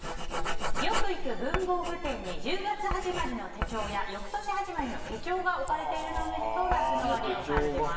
よく行く文房具店に１０月始まりの手帳や翌年始まりの手帳が置かれているのを見ると夏の終わりを感じます。